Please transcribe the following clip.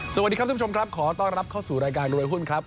สวัสดีครับทุกผู้ชมครับขอต้อนรับเข้าสู่รายการรวยหุ้นครับ